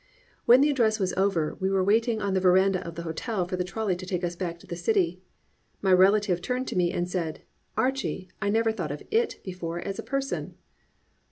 When the address was over, we were waiting on the veranda of the hotel for the trolley to take us back to the city. My relative turned to me and said, "Archie, I never thought of it before as a person."